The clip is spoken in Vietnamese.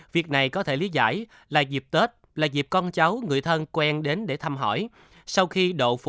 việc này có thể lý giải là dịp tết là dịp con cháu người thân quen đến để thăm hỏi sau khi